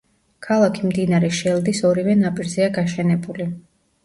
ქალაქი მდინარე შელდის ორივე ნაპირზეა გაშენებული.